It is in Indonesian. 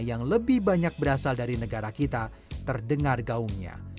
yang lebih banyak berasal dari negara kita terdengar gaungnya